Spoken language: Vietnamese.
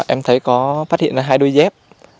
em thấy có phát hiện hai đôi dép